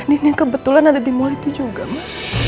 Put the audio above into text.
kalau mbak andien yang kebetulan ada di mulai itu juga ma